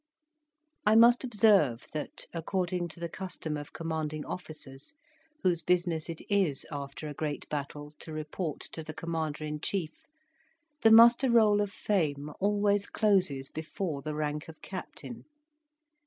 I must observe that, according to the custom of commanding officers, whose business it is after a great battle to report to the Commander in Chief, the muster roll of fame always closes before the rank of captain.